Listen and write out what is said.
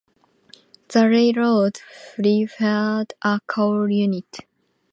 The railroad preferred a cowl unit.